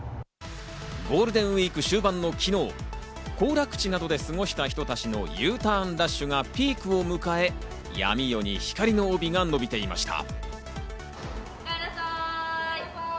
ゴールデンウイーク終盤の昨日、行楽地などで過ごした人たちのＵターンラッシュがピークを迎え、闇夜に光の帯が伸びていました。